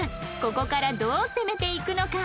ここからどう攻めていくのか？